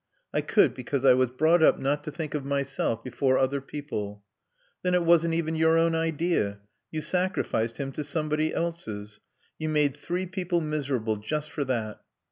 "I could because I was brought up not to think of myself before other people." "Then it wasn't even your own idea. You sacrificed him to somebody else's. You made three people miserable just for that.